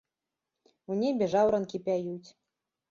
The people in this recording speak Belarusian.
У небе жаўранкі пяюць.